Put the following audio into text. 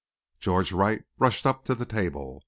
George Wright rushed up to the table.